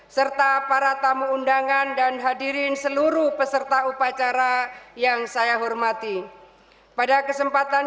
serta para tamu undangan dan hadirin seluruh peserta upacara yang saya hormati pada kesempatan